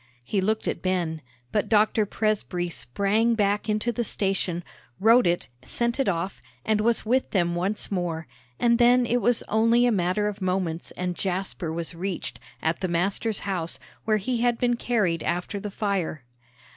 He looked at Ben, but Dr. Presbrey sprang back into the station, wrote it, sent it off, and was with them once more; and then it was only a matter of moments and Jasper was reached, at the master's house, where he had been carried after the fire.